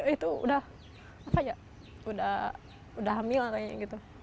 itu udah apa ya udah hamil kayaknya gitu